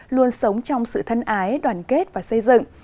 luôn sống trong sự thân ái đoàn kết và xây dựng